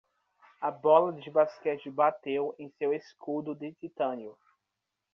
A bola de basquete bateu em seu escudo de titânio.